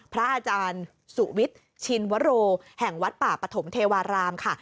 พระอาจารย์สุวิทย์ชินวโรแห่งวัดป่าปฐมเทวารามค่ะ